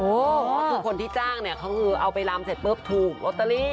โอ้คือคนที่จ้างเขาคือเอาไปรำเสร็จปุ๊บถูกลอตเตอรี่